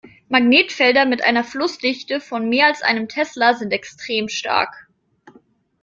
Magnetfelder mit einer Flussdichte von mehr als einem Tesla sind extrem stark.